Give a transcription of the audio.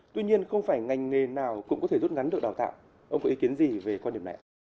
tuy nhiên không phải ngành nghề nào cũng có thể rút ngắn được đào tạo ông có ý kiến gì về quan điểm này ạ